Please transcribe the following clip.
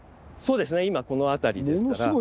そうですね今この辺りですから。